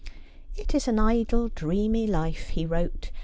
' It is an idle dreamy life,' he wrote.